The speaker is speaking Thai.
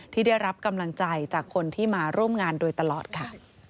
ที่ได้รับกำลังใจจากคนที่มาร่วมงานโดยตลอดค่ะ